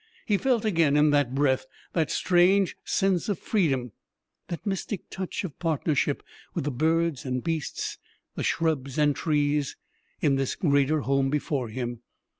He felt again, in that breath, that strange sense of freedom, that mystic touch of partnership with the birds and beasts, the shrubs and trees, in this greater home before him.